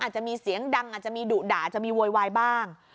อาจจะมีเสียงดังอาจจะมีดุด่าจะมีโวยวายบ้าง